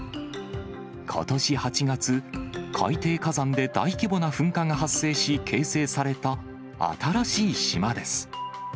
ことし８月、海底火山で大規模な噴火が発生し、形成された新しい島です。